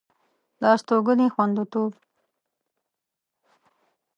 د استوګنې خوندیتوب